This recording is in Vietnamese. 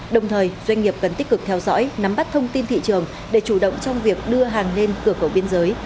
đồng thời doanh nghiệp cần tích cực theo dõi nắm bắt thông tin thị trường để chủ động trong việc đưa hàng lên cửa khẩu biên giới